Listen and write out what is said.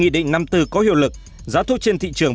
bệnh năm tư có hiệu lực giá thuốc trên thị trường